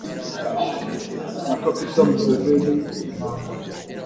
na kaguta museveni intambara